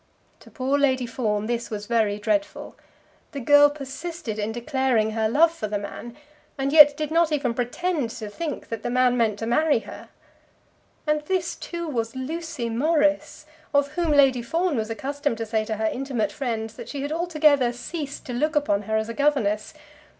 To poor Lady Fawn this was very dreadful. The girl persisted in declaring her love for the man, and yet did not even pretend to think that the man meant to marry her! And this, too, was Lucy Morris, of whom Lady Fawn was accustomed to say to her intimate friends that she had altogether ceased to look upon her as a governess.